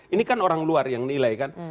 ini kan orang luar yang nilai kan